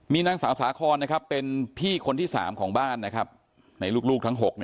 มีนางสาวสาคอนเป็นพี่คนที่๓ของบ้านในลูกทั้ง๖